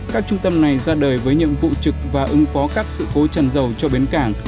các trung tâm này ra đời với nhiệm vụ trực và ứng phó các sự phố chẳng dầu cho biến cảng